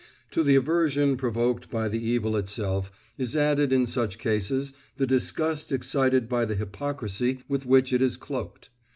To the aversion provoked by the evil itself, is added in such cases the disgust excited by the hypocrisy with which it is cloaked.